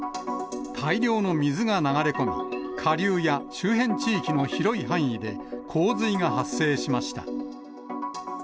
大量の水が流れ込み、下流や周辺地域の広い範囲で洪水が発生しました。